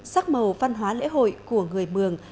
sắc màu văn hóa lễ hội của người mường